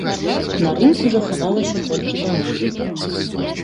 На рынку захавалася колькі дамоў.